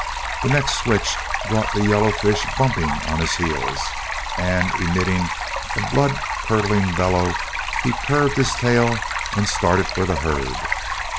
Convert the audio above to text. The next switch brought the yellow 'fish' bumping on his heels, and emitting a blood curdling bellow, he curved his tail and started for the herd.